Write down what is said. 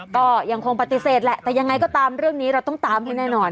ก็ยังคงปฏิเสธแหละแต่ยังไงก็ตามเรื่องนี้เราต้องตามให้แน่นอน